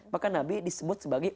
maka nabi disebut sebagai